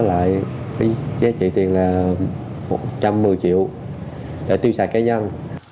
tôi bán lại giá trị tiền là một trăm một mươi triệu để tiêu sạc cá nhân